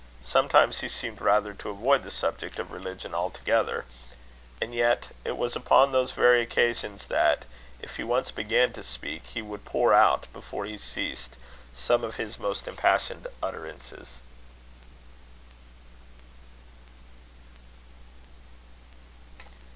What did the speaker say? Sometimes he seemed rather to avoid the subject of religion altogether; and yet it was upon those very occasions that, if he once began to speak, he would pour out, before he ceased, some of his most impassioned utterances.